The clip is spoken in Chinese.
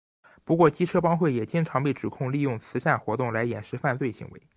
不过机车帮会也经常被指控利用慈善活动来掩饰犯罪行为。